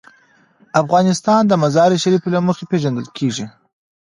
افغانستان د مزارشریف له مخې پېژندل کېږي.